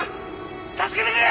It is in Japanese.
助けてくれ！